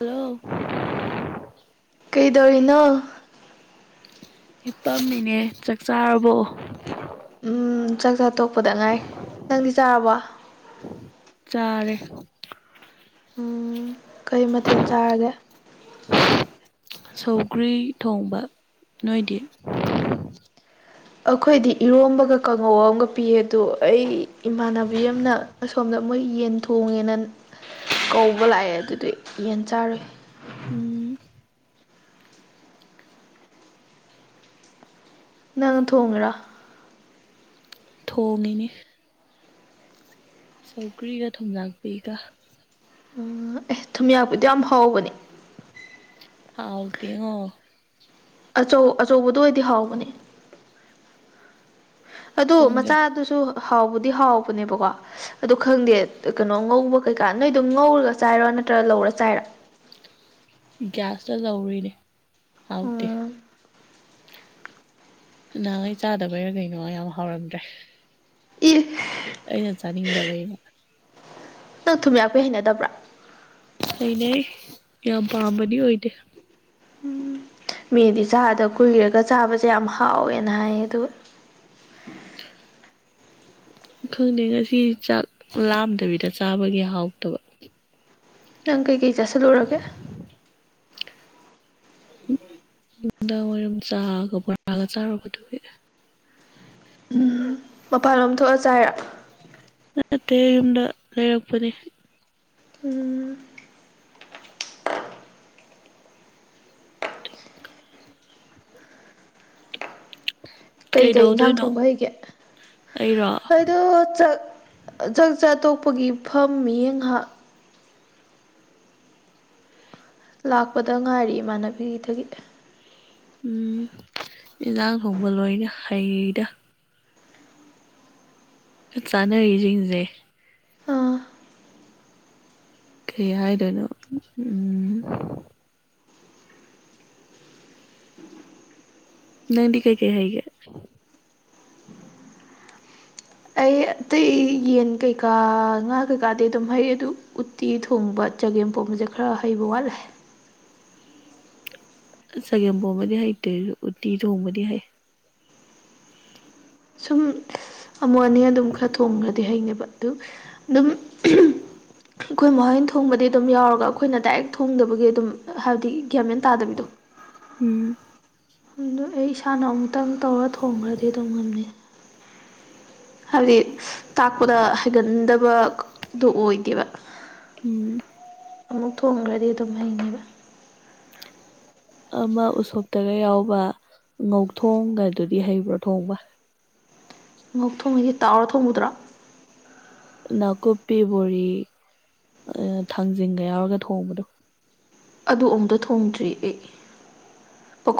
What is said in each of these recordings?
Hello ꯀꯩꯗꯧꯔꯤꯅꯣ ꯍꯤꯞ ꯄꯝꯃꯤꯅꯦ ꯆꯥꯛ ꯆꯥꯔꯕꯣ ꯎꯝ ꯆꯥꯛ ꯆꯥ ꯇꯣꯛꯄꯗ ꯉꯥꯏꯔꯤ ꯅꯪꯗꯤ ꯆꯥꯔꯕ ꯆꯥꯔꯦ ꯎꯝ ꯀꯔꯤ ꯃꯊꯦꯜ ꯆꯥꯔꯒꯦ ꯁꯧꯒ꯭ꯔꯤ ꯊꯣꯡꯕ ꯅꯣꯏꯗꯤ ꯑꯩꯈꯣꯏꯗꯤ ꯏꯔꯣꯝꯕꯒ ꯀꯥꯡꯉꯧ ꯑꯃꯒ ꯄꯤꯌꯦ ꯑꯗꯣ ꯑꯩ ꯏꯃꯥꯟꯅꯕꯤ ꯑꯃꯅ ꯑꯁꯣꯝꯗ ꯃꯣꯏ ꯌꯦꯟ ꯊꯣꯡꯉꯦꯅ ꯀꯧꯕ ꯂꯥꯛꯑꯦ ꯑꯗꯨꯗꯤ ꯌꯦꯟ ꯆꯥꯔꯨꯏ ꯎꯝ ꯅꯪ [unintelligible] ꯊꯣꯡꯉꯤꯔꯣ ꯊꯣꯡꯉꯤꯅꯦ ꯁꯧꯒ꯭ꯔꯤꯒ ꯊꯨꯝ ꯌꯥꯛꯄꯤꯒ ꯎꯝ ꯑꯦ ꯊꯨꯝꯌꯥꯛꯄꯤꯗꯣ ꯌꯥꯝ ꯍꯥꯎꯕꯅꯦ ꯍꯥꯎꯇꯦ ꯉꯣ ꯑꯆꯧ ꯑꯆꯧꯕꯗꯣ ꯑꯣꯏꯗꯤ ꯍꯥꯎꯕꯅꯦ ꯑꯗꯣ ꯈꯪꯗꯦ ꯃꯆꯥꯗꯨꯁꯨ ꯍꯥꯎꯕꯨꯗꯤ ꯍꯥꯎꯕꯅꯦꯕꯀꯣ ꯑꯗꯣ ꯈꯪꯗꯦ ꯀꯩꯅꯣ ꯉꯧꯕ ꯀꯩꯀꯥ ꯅꯣꯏꯗꯣ ꯉꯧꯔꯒ ꯆꯥꯏꯔꯣ ꯅꯠꯇ꯭ꯔꯒ ꯂꯧꯔ ꯆꯥꯏꯔꯣ ꯒ꯭ꯌꯥꯁꯇ ꯂꯧꯔꯤꯅꯦ ꯍꯥꯎꯇꯦ ꯎꯝ ꯅꯍꯥꯟꯒꯩ ꯆꯥꯗꯕꯩꯔ ꯀꯩꯅꯣ ꯌꯥꯝ ꯍꯥꯎꯔꯝꯗ꯭ꯔꯦ ꯏ ꯑꯩꯅ ꯆꯥꯅꯤꯡꯗꯕꯩ ꯅꯪ ꯊꯨꯝꯌꯥꯛꯄꯤ ꯍꯩꯅꯗꯕ꯭ꯔꯥ ꯍꯩꯅꯩ ꯌꯥꯝ ꯄꯥꯝꯕꯗꯤ ꯑꯣꯏꯗꯦ ꯎꯝ ꯃꯤꯗꯤ ꯆꯥꯗ ꯀꯨꯏꯔꯒ ꯆꯥꯕꯁꯦ ꯌꯥꯝ ꯍꯥꯎꯋꯦꯅ ꯍꯥꯏꯌꯦ ꯑꯗꯨꯒ ꯈꯪꯗꯦ ꯉꯁꯤ ꯆꯥꯛ ꯂꯥꯝꯗꯕꯤꯗ ꯆꯥꯕꯒꯤ ꯍꯥꯎꯇꯕ ꯅꯪ ꯀꯩꯀꯩ ꯆꯥꯁꯤꯜꯂꯨꯔꯒꯦ ꯅꯨꯡꯗꯥꯡ ꯋꯥꯔꯝ ꯆꯥꯒ ꯕꯣꯔꯥꯒ ꯆꯥꯔꯨꯕꯗꯨꯒꯤ ꯎꯝ ꯃꯄꯥꯟꯂꯣꯝ ꯊꯣꯛꯑ ꯆꯥꯏꯔꯣ ꯅꯠꯇꯦꯍꯦ ꯌꯨꯝꯗ ꯂꯩꯔꯛꯄꯅꯦ ꯎꯝ ꯀꯩꯀꯩ ꯏꯟꯖꯥꯡ ꯀꯩꯗꯧꯗꯣꯏꯅꯣ ꯊꯣꯡꯕ ꯍꯩꯒꯦ ꯑꯩꯔꯣ ꯑꯩꯗꯣ ꯆꯠ ꯆꯥꯛ ꯆꯥ ꯇꯣꯛꯄꯒꯤ ꯐꯝ ꯃꯤꯠꯌꯦ ꯉꯍꯥꯛ ꯂꯥꯛꯄꯗ ꯉꯥꯏꯔꯤ ꯏꯃꯥꯟꯅꯕꯤꯒꯤꯗꯗꯤ ꯎꯝ ꯏꯟꯖꯥꯡ ꯊꯣꯡꯕ ꯂꯣꯏꯅ ꯍꯩꯗ ꯆꯥꯅꯔꯤꯖꯤꯡꯖꯦ ꯑꯥ ꯀ꯭ꯔꯤ ꯍꯥꯏꯗꯣꯏꯅꯣ ꯎꯝ ꯅꯪꯗꯤ ꯀꯩ ꯀꯩ ꯍꯩꯒꯦ ꯑꯩ ꯑꯇꯩ ꯌꯦꯟ ꯀꯩꯀꯥ ꯉꯥ ꯀꯩꯀꯥꯗꯤ ꯑꯗꯨꯝ ꯍꯩ ꯑꯗꯨ ꯎꯠ ꯇꯤ ꯊꯣꯡꯕ ꯆꯒꯦꯝ ꯄꯣꯝꯕꯖꯦ ꯈꯔ ꯍꯩꯕ ꯋꯥꯠꯂꯦ ꯆꯒꯦꯝꯄꯣꯝꯕꯗꯤ ꯍꯩꯇꯦ ꯑꯩꯖꯨ ꯎꯇꯤ ꯊꯣꯡꯕꯗꯤ ꯍꯩ ꯁꯨꯝ ꯑꯃꯨꯛ ꯑꯅꯤ ꯑꯗꯨꯝ ꯈꯔ ꯊꯣꯡꯈ꯭ꯔꯗꯤ ꯍꯩꯅꯦꯕ ꯑꯗꯨ ꯑꯗꯨꯝ ꯑꯩꯈꯣꯏ ꯃꯥꯍꯣꯏꯅ ꯊꯣꯡꯕꯗꯤ ꯑꯗꯨꯝ ꯌꯥꯎꯔꯒ ꯑꯩꯈꯣꯏꯅ ꯗꯥꯏꯔꯦꯛ ꯊꯣꯡꯗꯕꯒꯤ ꯑꯗꯨꯝ ꯍꯥꯏꯕꯗꯤ ꯒ꯭ꯌꯥꯟ ꯃꯦꯟ ꯇꯥꯗꯕꯤꯗꯣ ꯎꯝ ꯑꯗꯨ ꯑꯩ ꯏꯁꯥꯅ ꯑꯃꯨꯛꯇꯪ ꯇꯧꯔ ꯊꯣꯡꯈ꯭ꯔꯗꯤ ꯑꯗꯨꯝ ꯉꯝꯅꯤ ꯍꯥꯏꯕꯗꯤ ꯇꯥꯛꯄꯗ ꯍꯩꯒꯟꯗꯕꯗꯣ ꯑꯣꯏꯗꯦꯕ ꯎꯝ ꯑꯃꯨꯛ ꯊꯣꯡꯒ꯭ꯔꯗꯤ ꯑꯗꯨꯝ ꯍꯩꯅꯤꯕ ꯑꯃ ꯎꯁꯣꯞꯇꯒ ꯌꯥꯎꯕ ꯉꯧ ꯊꯣꯡꯒꯗꯨꯗꯤ ꯍꯩꯕ꯭ꯔꯣ ꯊꯣꯡꯕ ꯉꯧ ꯊꯣꯡ ꯍꯥꯏꯗꯤ ꯇꯥꯎꯔ ꯊꯣꯡꯕꯗꯨꯔꯣ ꯅꯥꯀꯨꯞꯄꯤ ꯕꯣꯔꯤ ꯑ ꯊꯥꯡꯖꯤꯡꯒ ꯌꯥꯎꯔꯒ ꯊꯣꯡꯕꯗꯣ ꯑꯗꯨ ꯑꯝꯇ ꯊꯣꯡꯗ꯭ꯔꯤ ꯑꯩ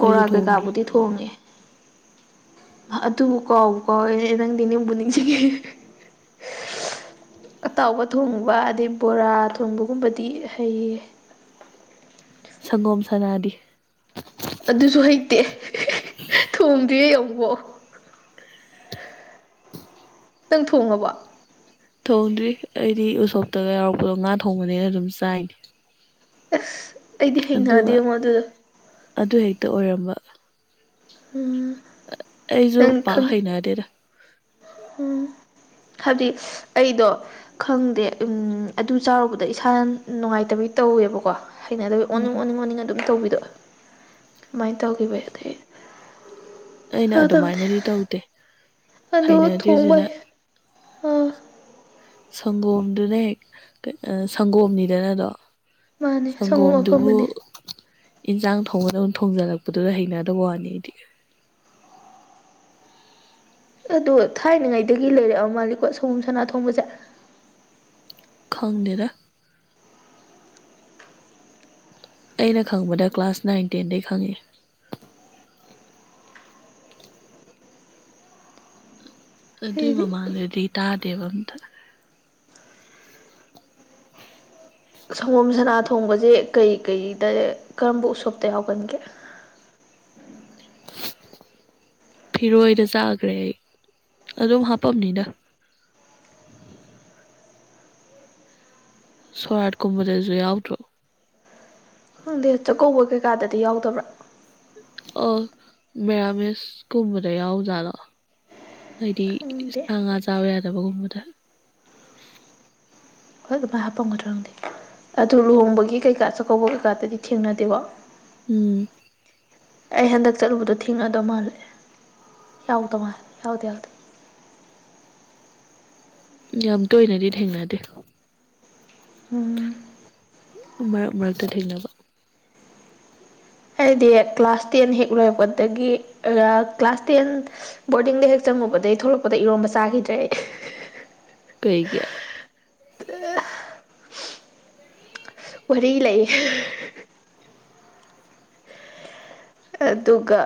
ꯑꯩꯁꯨ ꯊꯣꯡꯗ꯭ꯔꯤ ꯀꯩꯀꯥꯕꯨꯗꯤ ꯊꯣꯡꯉꯦ ꯑꯗꯨꯕꯨ ꯀꯥꯎꯕꯨ ꯀꯥꯎꯔꯦ ꯅꯪꯗꯤ ꯅꯤꯡꯕꯨ ꯅꯤꯡꯁꯤꯡꯉꯤ ꯑꯇꯥꯎꯕ ꯊꯣꯡꯕ ꯑꯗꯩ ꯕꯣꯔꯥ ꯊꯣꯡꯕꯒꯨꯝꯕꯗꯤ ꯍꯩꯌꯦ ꯁꯪꯒꯣꯝ ꯁꯅꯥꯗꯤ ꯑꯗꯨꯁꯨ ꯍꯩꯇꯦ ꯊꯣꯡꯗ꯭ꯔꯤꯌꯦ ꯑꯃꯨꯛ ꯐꯧ ꯅꯪ ꯊꯣꯡꯉꯕꯣ ꯊꯣꯡꯗ꯭ꯔꯤ ꯑꯩꯗꯤ ꯎꯁꯣꯞꯇꯒ ꯌꯥꯎꯔꯛꯄꯗꯣ ꯉꯥ ꯊꯣꯡꯕꯅꯦꯅ ꯑꯗꯨꯝ ꯆꯥꯏꯅꯤ ꯑꯁ ꯑꯩꯗꯤ ꯑꯗꯨꯒ ꯍꯩꯅꯗꯦꯉꯣ ꯑꯗꯨꯗꯣ ꯑꯗꯨ ꯍꯦꯛꯇ ꯑꯣꯏꯔꯝꯕ ꯎꯝ ꯑꯩꯖꯨ ꯅꯪ ꯄꯥꯛ ꯈꯪ ꯍꯩꯩꯅꯗꯦꯗ ꯎꯝ ꯈꯔꯗꯤ ꯑꯩꯗꯣ ꯈꯪꯗꯦ ꯎꯝ ꯑꯗꯨ ꯆꯥꯔꯨꯕꯗ ꯏꯁꯥ ꯌꯥꯝ ꯅꯨꯡꯉꯥꯏꯇꯕꯤ ꯇꯧꯋꯦꯕꯀꯣ ꯍꯩꯅꯗꯕꯩ ꯑꯣꯅꯤꯡ ꯎꯝ ꯑꯣꯅꯤꯡ ꯑꯣꯅꯤꯡ ꯑꯗꯨꯝ ꯇꯧꯕꯤꯗꯣ ꯑꯃꯥꯏꯅ ꯇꯧꯈꯤꯕꯩ ꯑꯗꯩ ꯑꯩꯅ ꯆꯥꯗꯕꯅꯦ ꯑꯗꯨꯃꯥꯏꯅꯗꯤ ꯇꯧꯗꯦ ꯑꯗꯣ ꯍꯩꯅꯗ꯭ꯔꯤꯁꯤꯅ ꯊꯣꯡꯕꯩ ꯁꯪꯒꯣꯝꯗꯨꯅ ꯍꯦꯛ ꯀ ꯑ ꯁꯪꯒꯣꯝꯅꯤꯗꯅꯗꯣ ꯃꯥꯅꯦ ꯁꯪꯒꯣꯝ ꯁꯪꯒꯣꯝꯗꯨꯕꯨ ꯑꯐꯝꯕꯅꯦ ꯏꯟꯁꯥꯡ ꯊꯣꯡꯕꯗꯧ ꯊꯣꯡꯖꯜꯂꯛꯄꯗꯨꯗ ꯍꯩꯅꯗꯕ ꯋꯥꯅꯤ ꯑꯩꯗꯤ ꯑꯗꯣ ꯊꯥꯏꯅꯉꯩꯗꯒꯤ ꯂꯩꯔꯛꯑ ꯃꯥꯜꯂꯤꯀꯣ ꯁꯪꯒꯣꯝ ꯁꯅꯥ ꯊꯣꯡꯕꯁꯦ ꯈꯪꯗꯦꯗ ꯑꯩꯅ ꯈꯪꯕꯗ ꯀ꯭ꯂꯥꯁ ꯅꯥꯏꯟ ꯇꯦꯟꯗꯩ ꯈꯪꯉꯛꯑꯦ ꯑꯗꯨꯏ ꯑꯩꯗꯤ ꯃꯃꯥꯡꯗꯗꯤ ꯇꯥꯗꯦꯕ ꯑꯝꯇ ꯁꯪꯒꯣꯝ ꯁꯥꯅꯥ ꯊꯣꯡꯕꯁꯦ ꯀꯩ ꯀꯩꯗ ꯀꯔꯝꯕ ꯎꯁꯣꯞꯇ ꯌꯥꯎꯒꯟꯒꯦ ꯐꯤꯔꯣꯏꯗ ꯆꯥꯒ꯭ꯔꯦ ꯑꯩ ꯑꯗꯨꯝ ꯍꯥꯞꯄꯝꯅꯤꯗ ꯁꯣꯔꯥꯠꯀꯨꯝꯕꯗꯖꯨ ꯌꯥꯎꯗ꯭ꯔꯣ ꯈꯪꯗꯦ ꯆꯥꯛꯀꯧꯕ ꯀꯩꯀꯥꯗꯗꯤ ꯌꯥꯎꯗꯕ꯭ꯔꯥ ꯑꯣ ꯃꯦꯔꯥꯃꯦꯁ ꯀꯨꯝꯕꯗ ꯌꯥꯎꯖꯥꯠꯂꯣ ꯍꯥꯏꯗꯤ ꯈꯪꯗꯦ ꯁꯥ ꯉꯥ ꯆꯥꯕ ꯌꯥꯗꯕꯒꯨꯝꯕꯗ ꯍꯣꯏ ꯑꯗꯨꯃꯥꯏ ꯍꯥꯄꯝꯒꯗ꯭ꯔ ꯈꯪꯗꯦ ꯑꯗꯨ ꯂꯨꯍꯣꯡꯕꯒꯤ ꯀꯩꯀꯥ ꯆꯥꯛꯀꯧꯕ ꯀꯩꯀꯥꯗꯗꯤ ꯊꯦꯡꯅꯗꯦꯀꯣ ꯎꯝ ꯑꯩ ꯍꯟꯗꯛ ꯆꯠꯂꯨꯕꯗꯣ ꯊꯤꯡꯅꯗ ꯃꯥꯜꯂꯦ ꯌꯥꯎꯗ ꯃꯥꯜꯂꯦ ꯌꯥꯎꯗꯦ ꯌꯥꯎꯗꯦ ꯌꯥꯝ ꯇꯣꯏꯅꯗꯤ ꯊꯦꯡꯅꯗꯦ ꯎꯝ ꯃꯔꯛ ꯃꯔꯛꯇ ꯊꯦꯡꯅꯕ ꯍꯥꯏꯗꯤ ꯀ꯭ꯂꯥꯁ ꯇꯦꯟ ꯍꯦꯛ ꯂꯣꯏꯔꯛꯄꯗꯒꯤ ꯑ ꯀ꯭ꯂꯥꯁ ꯇꯦꯟ ꯕꯣꯔꯗꯤꯡꯗ ꯍꯦꯛ ꯆꯪꯉꯨꯕꯗꯩ ꯊꯣꯛꯂꯛꯄꯗ ꯏꯔꯣꯝꯕ ꯆꯥꯒꯤꯗ꯭ꯔꯦ ꯑꯩ ꯀꯩꯒꯤ ꯗꯦ ꯋꯥꯔꯤ ꯂꯩ ꯑꯗꯨꯒ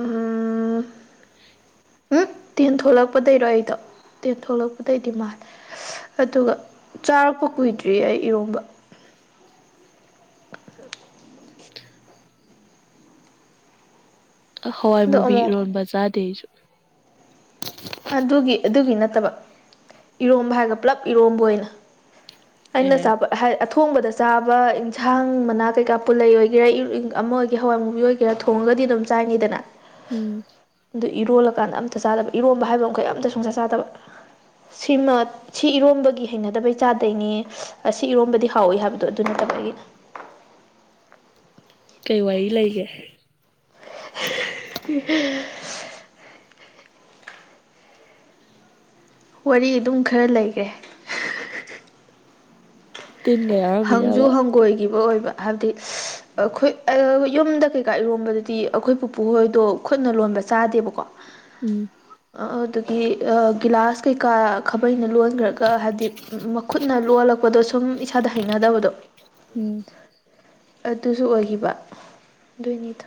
ꯎꯝ ꯍꯨꯡ ꯇꯦꯟ ꯊꯣꯛꯂꯛꯄꯗꯩꯔꯣ ꯑꯩꯗꯣ ꯇꯦꯟ ꯊꯣꯛꯂꯛꯄꯗꯩꯗꯤ ꯃꯥꯜꯂꯦ ꯑꯗꯨꯒ ꯆꯥꯔꯛꯄ ꯀꯨꯏꯗ꯭ꯔꯤꯌꯦ ꯑꯩ ꯏꯔꯣꯝꯕ ꯑ ꯍꯋꯥꯏ ꯑꯗꯣ ꯃꯨꯕꯤ ꯑꯃꯨꯛ ꯏꯔꯣꯟꯕ ꯆꯥꯗꯦ ꯑꯩꯁꯨ ꯑꯗꯨꯒꯤ ꯑꯗꯨꯒꯤ ꯅꯠꯇꯕ ꯏꯔꯣꯝꯕ ꯍꯥꯏꯔꯒ ꯄꯨꯂꯞ ꯏꯔꯣꯝꯕ ꯑꯣꯏꯅ ꯑꯩꯅ ꯑꯦ ꯆꯥꯕ ꯍꯥꯏ ꯑꯊꯣꯡꯕꯗ ꯆꯥꯕ ꯏꯟꯁꯥꯡ ꯃꯅꯥ ꯀꯩꯀꯥ ꯄꯨꯜꯂꯩ ꯑꯣꯏꯒꯦꯔꯥ ꯏꯔ ꯏꯪ ꯑꯃ ꯑꯣꯏꯒꯦ ꯍꯋꯥꯏ ꯃꯨꯕꯤ ꯑꯣꯏ ꯒꯦꯔꯥ ꯊꯣꯡꯉꯒꯗꯤ ꯑꯗꯨꯝ ꯆꯥꯏꯅꯤꯗꯅ ꯎꯝ ꯑꯗꯨ ꯏꯔꯣꯜꯂꯀꯥꯟꯗ ꯑꯝꯇ ꯆꯥꯗꯕ ꯏꯔꯣꯝꯕ ꯍꯥꯏꯕ ꯃꯈꯩ ꯑꯝꯇ ꯁꯨꯡꯆꯥ ꯆꯥꯗꯕ ꯁꯤꯃ ꯁꯤ ꯏꯔꯣꯝꯕꯒꯤ ꯍꯩꯅꯗꯕꯩ ꯆꯥꯗꯩꯅꯦ ꯑꯁꯤ ꯏꯔꯣꯝꯕꯗꯤ ꯍꯥꯎꯏ ꯍꯥꯏꯕꯗꯣ ꯑꯗꯨ ꯅꯠꯇꯕꯒꯤ ꯀꯩ ꯋꯥꯔꯤ ꯂꯩꯒꯦ [unintelligible] ꯋꯥꯔꯤ ꯑꯗꯨꯝ ꯈꯔ ꯂꯩꯒꯦ ꯇꯤꯟꯒ ꯌꯥ ꯍꯪꯖꯨ ꯍꯪꯒꯣꯏꯒꯤꯕ ꯑꯣꯏꯕ ꯍꯥꯏꯕꯗꯤ ꯑꯈꯣꯏ ꯑ ꯌꯨꯝꯗ ꯀꯩꯀꯥ ꯏꯔꯣꯝꯕꯗꯗꯤ ꯑꯈꯣꯏ ꯄꯨꯄꯨ ꯍꯣꯏꯗꯣ ꯈꯨꯠꯅ ꯂꯣꯟꯕ ꯆꯥꯗꯦꯕꯀꯣ ꯎꯝ ꯑ ꯑ ꯗꯨꯗꯤ ꯑ ꯒꯤꯂꯥꯁ ꯀꯩꯀꯥ ꯈꯥꯕꯩꯅ ꯂꯣꯟꯒ꯭ꯔꯒ ꯍꯥꯏꯕꯗꯤ ꯃꯛ ꯈꯨꯠꯅ ꯂꯣꯜꯂꯛꯄꯗꯣ ꯁꯨꯝ ꯏꯁꯥꯗ ꯍꯩꯅꯗꯕꯗꯣ ꯎꯝ ꯑꯗꯨꯖꯨ ꯑꯣꯏꯒꯤꯕ ꯑꯗꯨꯏꯅꯤꯗ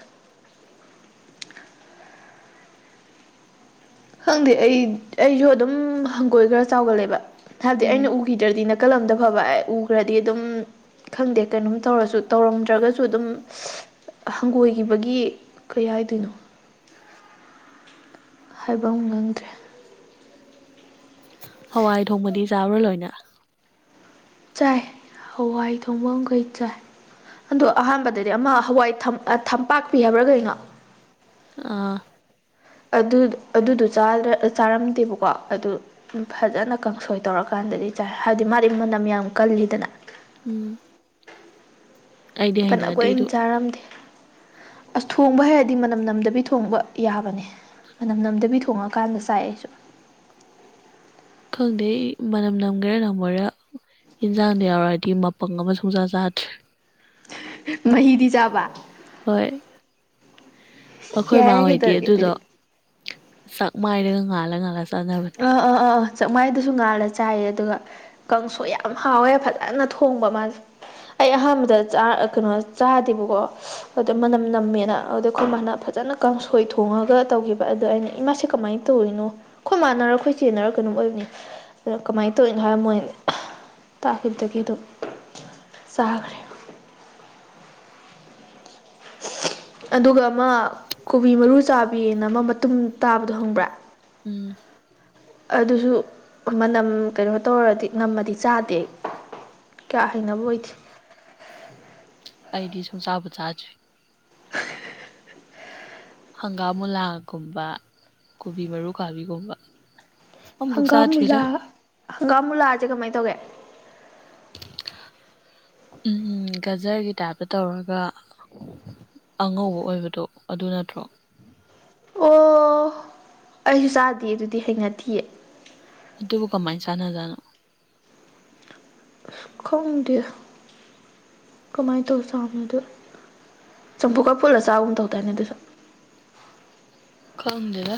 ꯈꯪꯗꯦ ꯑꯩ ꯑꯩꯖꯨ ꯑꯗꯨꯝ ꯍꯪꯒꯣꯏ ꯈ꯭ꯔ ꯆꯥꯎꯒꯜꯂꯦꯕ ꯍꯥꯏꯕꯗꯤ ꯎꯝ ꯑꯩꯅ ꯎꯒꯤ ꯒꯤꯗ꯭ꯔꯗꯤ ꯅꯥꯀꯜ ꯑꯝꯗ ꯐꯕ ꯑꯩ ꯎꯒ꯭ꯔꯗꯤ ꯑꯗꯨꯝ ꯈꯪꯗꯦ ꯀꯩꯅꯣꯝ ꯇꯧꯔꯁꯨ ꯇꯧꯔꯝꯗ꯭ꯔꯒꯖꯨ ꯑꯗꯨꯝ ꯍꯪꯒꯣꯏꯒꯤꯕꯒꯤ ꯀꯩ ꯍꯥꯏꯗꯣꯏꯅꯣ ꯍꯥꯏꯕꯝ ꯒꯪꯗ꯭ꯔꯦ ꯍꯋꯥꯏ ꯊꯣꯡꯕꯗꯤ ꯆꯥꯕ꯭ꯔ ꯂꯣꯏꯅ ꯆꯥꯏ ꯍꯋꯥꯏ ꯊꯣꯡꯕꯝꯈꯩ ꯆꯥꯏ ꯑꯗꯣ ꯑꯍꯥꯟꯕꯗꯗꯤ ꯑꯃ ꯍꯋꯥꯏ ꯊꯝ ꯑ ꯊꯝꯄꯥꯛꯄꯤ ꯍꯥꯏꯕ꯭ꯔꯥ ꯀꯩꯅꯣ ꯑꯥ ꯑꯗꯨ ꯑꯗꯨꯗꯣ ꯆꯥꯗ ꯆꯥꯔꯝꯗꯦꯕꯀꯣ ꯑꯗꯨ ꯐꯖꯅ ꯀꯥꯡꯁꯣꯏ ꯇꯧꯔꯀꯥꯟꯗꯗꯤ ꯆꯥꯏ ꯍꯥꯏꯗꯤ ꯃꯥꯗꯤ ꯃꯅꯝ ꯌꯥꯝ ꯀꯜꯂꯤꯗꯅ ꯎꯝ ꯑꯩꯗꯤ ꯐꯅ ꯍꯩꯅꯗꯦ ꯀꯨꯢꯟ ꯑꯗꯨ ꯆꯥꯔꯝꯗꯦ ꯑꯁ ꯊꯣꯡꯕ ꯍꯩꯔꯗꯤ ꯃꯅꯝ ꯅꯝꯗꯕꯤ ꯊꯣꯡꯕ ꯌꯥꯕꯅꯦ ꯃꯅꯝ ꯅꯝꯗꯕꯤ ꯊꯣꯡꯉꯀꯥꯟꯗ ꯆꯥꯏ ꯑꯩꯁꯨ ꯈꯪꯗꯦ ꯑꯩ ꯃꯅꯝ ꯅꯝꯒꯦꯔꯥ ꯅꯝꯃꯣꯏꯔꯥ ꯢꯟꯖꯥꯡꯗ ꯌꯥꯎꯔꯛꯑꯗꯤ ꯃꯄꯪ ꯑꯃ ꯁꯨꯡꯆꯥ ꯆꯥꯗ꯭ꯔꯦ ꯃꯍꯤꯗꯤ ꯆꯥꯕ ꯍꯣꯏ ꯌꯥꯔꯦ ꯑꯈꯣꯏꯃꯥꯍꯣꯏꯗꯤ ꯀꯩꯗꯧꯔꯒꯦ ꯑꯗꯨꯗꯣ ꯑꯗꯨꯗꯤ ꯆꯥꯛꯃꯥꯢꯗꯒ ꯉꯥꯜꯂ ꯉꯥꯜꯂ ꯆꯥꯅꯕꯅꯦ ꯑꯥ ꯑꯥ ꯑꯥ ꯑꯥ ꯆꯥꯛꯃꯥꯏꯗꯁꯨ ꯉꯥꯜꯂ ꯆꯥꯏꯌꯦ ꯑꯗꯨꯒ ꯀꯥꯡꯁꯣꯢ ꯌꯥꯝ ꯍꯥꯎꯋꯦ ꯐꯖꯅ ꯊꯣꯡꯕ ꯃꯥꯖꯦ ꯑꯩ ꯑꯍꯥꯟꯕꯗ ꯆꯥ ꯀꯩꯅꯣ ꯆꯥꯗꯦꯕꯀꯣ ꯑꯗ ꯃꯅꯝ ꯎꯝ ꯅꯝꯃꯦꯅ ꯑꯗꯣ ꯈꯣꯏ ꯃꯥꯅ ꯐꯖꯅ ꯀꯥꯡꯁꯣꯏ ꯊꯣꯡꯉꯒ ꯇꯧꯒꯤꯕ ꯑꯗꯣ ꯑꯩꯅ ꯏꯃꯥꯁꯤ ꯀꯃꯥꯏꯟ ꯇꯧꯋꯤꯅꯣ ꯈꯣꯏ ꯃꯥꯅꯔ ꯈꯣꯏ ꯆꯦꯅꯔ ꯀꯩꯅꯣꯝ ꯑꯣꯏꯕꯅꯤ ꯑꯗ ꯀꯃꯥꯏꯟ ꯇꯧꯋꯤꯢꯅꯣ ꯍꯥꯏꯕ ꯃꯣꯏ ꯇꯥꯈꯤꯕꯗꯒꯤꯗꯨꯝ ꯆꯥꯒꯔꯦ [unintelligible] ꯑꯗꯨꯒ ꯑꯃ ꯀꯣꯕꯤ ꯃꯔꯨ ꯆꯥꯕꯤꯅ ꯑꯃ ꯃꯇꯨꯝ ꯇꯥꯕꯗꯣ ꯈꯪꯕ꯭ꯔꯥ ꯎꯝ ꯑꯗꯨꯁꯨ ꯃꯅꯝ ꯀꯩꯅꯣ ꯇꯧꯔꯗꯤ ꯅꯝꯃꯗꯤ ꯆꯥꯗꯦ ꯑꯩ ꯀ꯭ꯌꯥ ꯍꯩꯅꯕ ꯑꯣꯏꯗꯦ ꯑꯩꯗꯤ ꯁꯨꯡꯆꯥꯕꯨ ꯆꯥꯗ꯭ꯔꯤ ꯍꯪꯒꯥꯝ ꯃꯨꯂꯥꯒꯨꯝꯕ ꯀꯣꯕꯤ ꯃꯔꯨ ꯀꯥꯕꯤꯒꯨꯝꯕ ꯑꯝꯕꯨꯛ ꯍꯪꯒꯥꯝ ꯃꯨꯂꯥ ꯆꯥꯗ꯭ꯔꯤꯗ ꯍꯪꯒꯥꯝ ꯃꯨꯂꯥꯖꯦ ꯀꯃꯥꯏꯟ ꯇꯧꯒꯦ ꯎꯝ ꯒꯖꯔꯒꯤ ꯇꯥꯏꯞꯇ ꯇꯧꯔꯒ ꯑꯉꯧꯕ ꯑꯣꯏꯕꯗꯣ ꯑꯗꯨ ꯅꯠꯇ꯭ꯔꯣ ꯑꯣ ꯑꯩꯖꯨ ꯆꯥꯗꯤꯌꯦ ꯑꯗꯨꯗꯤ ꯍꯩꯅꯊꯤꯌꯦ ꯑꯗꯨꯕꯨ ꯀꯃꯥꯏ ꯆꯥꯟꯅꯖꯥꯠꯅꯣ ꯈꯪꯗꯦ ꯀꯃꯥꯏꯟ ꯇꯧꯆꯅꯣꯗꯨ ꯆꯝꯐꯨꯠꯀ ꯐꯨꯜꯂ ꯆꯥꯕꯒꯨꯝ ꯇꯧꯗꯥꯏꯅꯦ ꯑꯗꯨꯁꯨ ꯈꯪꯗꯦꯗ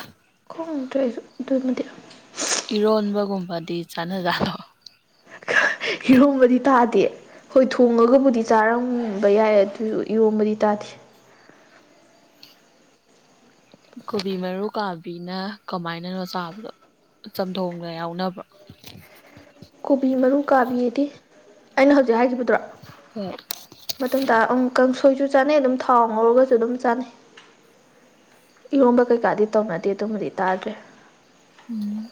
ꯈꯪꯗ꯭ꯔꯦ ꯑꯩꯁꯨ ꯑꯗꯨꯃꯗꯤ ꯏꯔꯣꯟꯕ ꯒꯨꯝꯕꯗꯤ ꯆꯥꯅꯖꯥꯠꯂꯣ ꯍꯤꯔꯣꯝꯕꯗꯤ ꯇꯥꯗꯦ ꯍꯣꯏ ꯊꯣꯡꯉꯒꯕꯨꯗꯤ ꯆꯥꯔꯝꯕ ꯌꯥꯏ ꯑꯗꯨ ꯏꯔꯣꯝꯕꯗꯤ ꯇꯥꯗꯦ ꯀꯣꯕꯤ ꯃꯔꯨ ꯀꯥꯕꯤꯅ ꯀꯃꯥꯏꯅꯅꯣ ꯆꯥꯕꯗꯣ ꯆꯝꯊꯣꯡꯗ ꯌꯥꯎꯅꯕ꯭ꯔꯣ ꯀꯣꯕꯤ ꯃꯔꯨ ꯀꯥꯕꯤꯗꯤ ꯑꯩꯅ ꯍꯧꯖꯤꯛ ꯍꯥꯏꯒꯤꯕꯗꯨꯔꯣ ꯍꯣꯏ ꯃꯇꯨꯝ ꯇꯥ ꯑꯪ ꯀꯥꯡꯁꯣꯏꯁꯨ ꯆꯥꯅꯩ ꯑꯗꯨꯝ ꯊꯥꯎ ꯉꯧꯔꯒꯖꯨ ꯑꯗꯨꯝ ꯆꯥꯅꯩ ꯏꯔꯣꯝꯕ ꯀꯩꯀꯥꯗꯤ ꯇꯧꯅꯗꯦ ꯑꯗꯨꯃꯗꯤ ꯇꯥꯗ꯭ꯔꯤ ꯎꯝ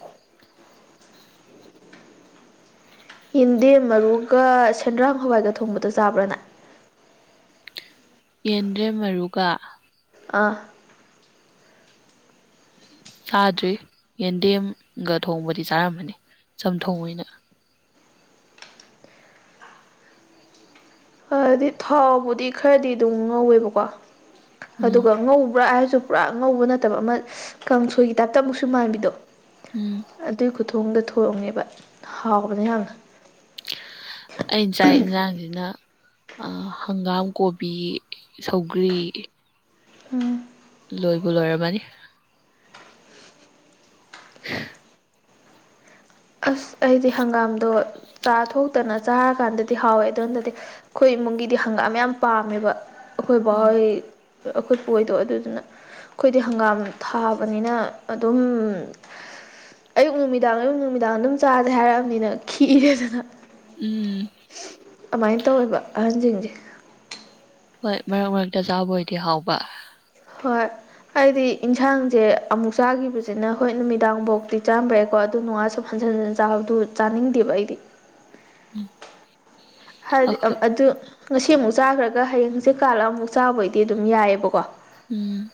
ꯌꯦꯟꯗꯦꯝ ꯃꯔꯨꯒ ꯁꯦꯟꯗ꯭ꯔꯥꯡ ꯍꯋꯥꯏꯒ ꯊꯣꯡꯕꯗꯣ ꯆꯥꯕ꯭ꯔꯅ꯫ ꯌꯦꯟꯗ꯭ꯔꯦꯝ ꯃꯔꯨꯒꯥ꯫ ꯑꯥ꯫ ꯆꯥꯗ꯭ꯔꯤ ꯌꯦꯟꯗꯦꯝꯒ ꯊꯣꯡꯕꯗꯤ ꯆꯥꯔꯝꯑꯅꯤ ꯆꯝꯊꯣꯡ ꯑꯣꯏꯅ꯫ ꯐꯗꯤ ꯊꯥꯎꯕꯨꯗꯤ ꯈꯔꯗꯤ ꯑꯗꯨꯝ ꯉꯧꯋꯦꯕꯀꯣ ꯎꯝ ꯑꯗꯨꯒ ꯉꯧꯕ꯭ꯔꯥ ꯍꯥꯏꯁꯨ ꯄꯨꯔꯥ ꯑꯉꯧꯕ ꯅꯠꯇꯕ ꯑꯃ ꯀꯥꯡꯁꯣꯏꯒꯤ ꯇꯥꯏꯞꯇ ꯑꯃꯨꯛꯁꯨ ꯃꯥꯟꯕꯤꯗꯣ꯫ ꯎꯝ꯫ ꯑꯗꯨꯏ ꯈꯨꯊꯣꯡꯗ ꯊꯣꯡꯉꯦꯕ ꯍꯥꯎꯕꯅꯦ ꯌꯥꯝꯅ꯫ ꯑꯩꯟ ꯆꯥꯢ ꯏꯟꯖꯥꯡꯖꯤꯅ ꯑꯥ ꯍꯪꯒꯥꯝ ꯀꯣꯕꯤ ꯁꯧꯒ꯭ꯔꯤ꯫ ꯎꯝ꯫ ꯂꯣꯏꯕꯨ ꯂꯣꯏꯔꯝꯃꯅꯤ꯫ [unintelligible] ꯑꯁ ꯑꯩꯗꯤ ꯍꯪꯒꯥꯝꯗꯣ ꯆꯥꯊꯣꯛꯇꯅ ꯆꯥꯔꯀꯥꯟꯗꯗꯤ ꯍꯥꯎꯋꯦ ꯑꯗꯣꯟꯗꯗꯤ ꯑꯩꯈꯣꯏ ꯏꯃꯨꯡꯒꯤꯗꯤ ꯍꯪꯒꯥꯝ ꯌꯥꯝ ꯄꯥꯝꯃꯦꯕ ꯑꯈꯣꯏ ꯕꯥꯍꯣꯏ ꯑꯈꯣꯢꯄꯨ ꯍꯣꯢꯗꯣ ꯑꯗꯨꯗꯨꯅ ꯈꯣꯏꯗꯤ ꯍꯪꯒꯥꯝ ꯊꯥꯕꯅꯤꯅ ꯑꯗꯨꯝ ꯑꯌꯨꯛ ꯅꯨꯃꯤꯗꯥꯡ ꯑꯌꯨꯛ ꯅꯨꯃꯤꯗꯥꯡ ꯑꯗꯨꯝ ꯆꯥꯖꯦ ꯍꯥꯏꯔꯑꯝꯅꯤꯅ ꯈꯤꯔꯦꯗꯅ꯫ ꯎꯝ꯫ ꯑꯗꯨꯃꯥꯏꯅ ꯇꯧꯋꯦꯕ ꯑꯍꯟꯖꯤꯡꯖꯦ꯫ ꯍꯣꯏ ꯃꯔꯛ ꯃꯔꯛꯇ ꯆꯥꯕ ꯑꯣꯏꯗꯤ ꯍꯥꯎꯕ꯫ ꯍꯣꯏ꯫ ꯍꯥꯏꯗꯤ ꯏꯖꯥꯡꯖꯦ ꯑꯃꯨꯛ ꯆꯥꯈꯤꯕꯁꯤꯅ ꯍꯣꯏ ꯅꯨꯃꯤꯗꯥꯡ ꯕꯥꯎꯇꯤ ꯆꯥꯔꯝꯕ ꯌꯥꯏꯀꯣ ꯑꯗꯨ ꯅꯨꯡꯉꯥꯜ ꯁꯧ ꯍꯟꯖꯟ ꯍꯟꯖꯟ ꯆꯥꯕꯗꯨ ꯆꯥꯅꯤꯡꯗꯦꯕ ꯑꯩꯗꯤ꯫ [unintelligible] ꯍꯥꯏꯗꯤ ꯑ ꯑꯩꯈꯣꯏ ꯑꯗꯨ ꯉꯁꯤ ꯑꯃꯨꯛ ꯆꯥꯈ꯭ꯔꯒ ꯍꯌꯦꯡ ꯍꯪꯁꯤꯠ ꯀꯥꯜꯂ ꯑꯃꯨꯛ ꯆꯥꯕ ꯑꯣꯏꯗꯤ ꯌꯥꯏꯑꯦꯕꯀꯣ꯫ ꯎꯝ꯫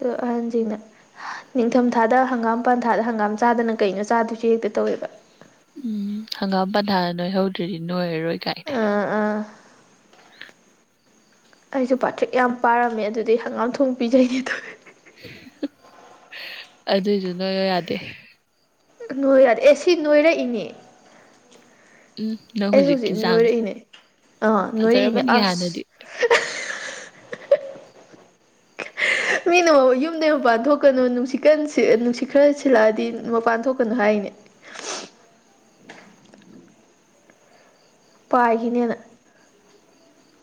ꯗꯣ ꯑꯍꯟꯖꯤꯡꯅ ꯅꯤꯡꯊꯝꯊꯥꯗ ꯍꯪꯒꯥꯝ ꯄꯥꯟꯊꯥꯗ ꯍꯪꯒꯥꯝ ꯆꯥꯗꯅ ꯀꯩꯅꯣ ꯆꯥꯗꯣꯏꯁꯦ ꯍꯦꯛꯇ ꯇꯧꯋꯦꯕ꯫ ꯎꯝ ꯍꯪꯒꯥꯝ ꯄꯟꯊꯥ ꯅꯣꯏ ꯍꯧꯗ꯭ꯔꯗꯤ ꯅꯣꯏꯔꯔꯣꯏ ꯀꯥꯏꯅ꯫ ꯎꯝ꯫ ꯑꯩꯁꯨ ꯄꯥꯇ꯭ꯔꯤꯛ ꯌꯥꯝ ꯄꯥꯔꯝꯃꯦ ꯑꯗꯨꯗꯩ ꯍꯪꯒꯥꯝ ꯊꯣꯡ ꯄꯤꯖꯩꯅꯦ ꯇꯧꯋ꯫ꯦ [unintelligible] ꯑꯗꯨꯏꯖꯨ ꯅꯣꯏꯌꯨ ꯌꯥꯗꯦ꯫ ꯅꯣꯏ ꯌꯥꯗꯦ ꯑꯦ ꯁꯤ ꯅꯣꯏꯔꯛꯏꯅꯦ꯫ ꯎꯝ ꯅꯪ ꯑꯩ ꯍꯧꯖꯤꯛꯀꯤ ꯍꯧꯖꯤꯛ ꯆꯥꯡꯁꯦ ꯅꯣꯏꯔꯛꯏꯅꯦ ꯑꯥ ꯅꯣꯏꯔꯛꯏꯅꯦ ꯐꯖꯔꯕꯅꯤ ꯑꯁ꯫ ꯍꯥꯟꯅꯗꯤ ꯃꯤꯅꯕꯧ ꯌꯨꯝꯗꯒꯤ ꯃꯄꯥꯟ ꯊꯣꯛꯀꯅꯨ ꯅꯨꯡꯁꯤꯠꯀꯟ ꯅꯨꯡꯁꯤꯠ ꯈꯔ ꯁꯤꯜꯂꯛꯑꯗꯤ ꯃꯄꯥꯟ ꯊꯣꯛꯀꯅꯨ ꯍꯥꯏꯅꯦ꯫ ꯄꯥꯏꯒꯤꯅꯦꯅ꯫